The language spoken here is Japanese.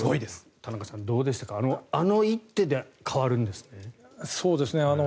田中さん、どうでしたかあの一手で変わるんですね。